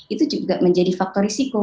itu juga menjadi faktor risiko